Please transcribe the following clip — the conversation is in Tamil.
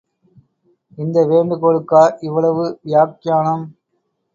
இந்த வேண்டுகோளுக்கா இவ்வளவு வியாக்யானம்?